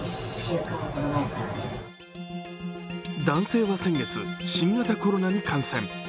男性は先月、新型コロナに感染。